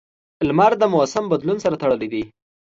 • لمر د موسم بدلون سره تړلی دی.